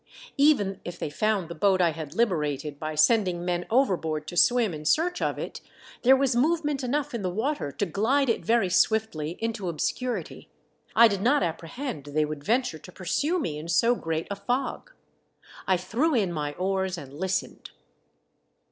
Even if they found the boat I had liberated by sending men overboard to swim in search of it — there was movement enough in the water to glide it very swiftly into obscurity — I did not apprehend they would venture to pursue me in so great a fog. I threw in my oars and listened.